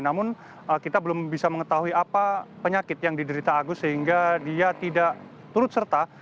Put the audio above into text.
namun kita belum bisa mengetahui apa penyakit yang diderita agus sehingga dia tidak turut serta